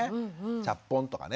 ちゃっぽんとかね。